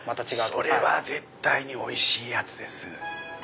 それは絶対においしいやつです。